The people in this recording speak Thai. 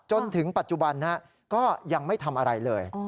จนถึงปัจจุบันก็ยังไม่ทำอะไรเลย